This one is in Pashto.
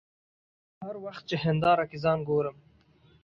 هر وخت چې هنداره کې ځان ته ګورم.